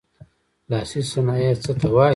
لاسي صنایع څه ته وايي.